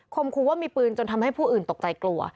ครูว่ามีปืนจนทำให้ผู้อื่นตกใจกลัว